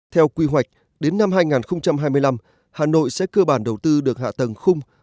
theo quy hoạch đến năm hai nghìn hai mươi năm hà nội sẽ cơ bản đầu tư được hạ tầng khung